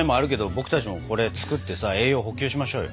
僕たちもこれ作ってさ栄養補給しましょうよ。